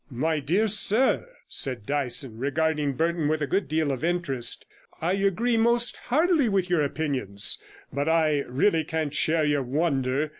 'My dear sir,' said Dyson, regarding Burton with a good deal of interest, 'I agree most heartily with your opinions, but I really can't share your wonder.